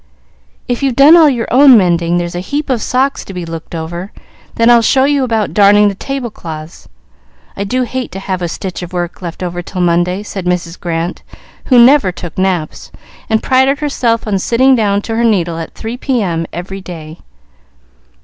"If you've done all your own mending, there's a heap of socks to be looked over. Then I'll show you about darning the tablecloths. I do hate to have a stitch of work left over till Monday," said Mrs. Grant, who never took naps, and prided herself on sitting down to her needle at 3 P.M. every day.